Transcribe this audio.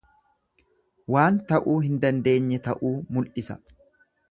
Waan ta'uu hin dandeenye ta'uu mul'isa.